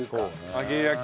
揚げ焼き。